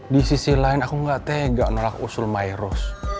di sisi lain aku gak tega nolak usul mairos